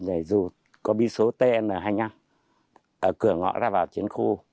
nhảy dù có bi số tn hai mươi năm ở cửa ngõ ra vào chiến khu